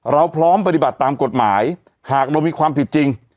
เราพร้อมปฏิบัติตามกฎหมายหากเรามีความผิดจริง